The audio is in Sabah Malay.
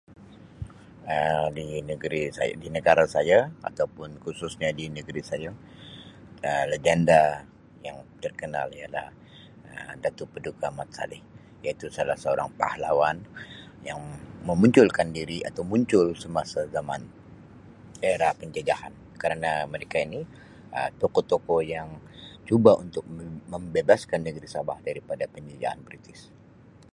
Um Di negeri say di negara saya ataupun khususnya di negeri saye Um lagenda yang terkenal ialah Um Datuk Paduka Mat Salleh iaitu salah seorang pahlawan yang memunculkan diri atau muncul semasa zaman era penjajahan kerana mereka ini Um tokoh-tokoh yang cuba untuk mem-membebaskan negeri Sabah daripada penjajahan British.